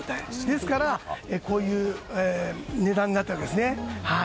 ですから、こういう値段になったわけですね。